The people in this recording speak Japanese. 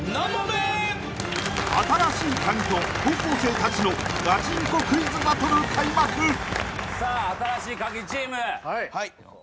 ［新しいカギと高校生たちのガチンコクイズバトル開幕］さあ新しいカギチーム。